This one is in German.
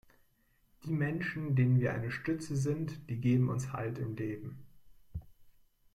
Die Menschen, denen wir eine Stütze sind, die geben uns Halt im Leben.